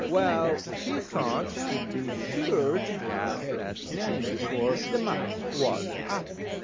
Well, she thought she'd be sure to guess that's name before the month was up.